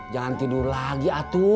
jangan tidur lagi